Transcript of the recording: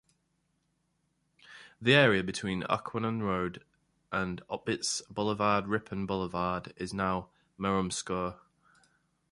The area between Occoquan Road and Opitz Boulevard-Rippon Boulevard is now Marumsco.